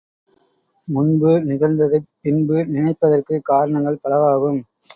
முன்பு நிகழ்ந்ததைப் பின்பு நினைப்பதற்கு காரணங்கள் பலவாகும்.